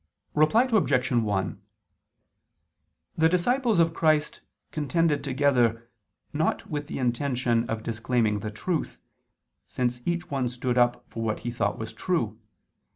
Reply Obj. 1: The disciples of Christ contended together, not with the intention of disclaiming the truth, since each one stood up for what he thought was true.